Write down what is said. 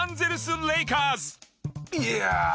「いや！」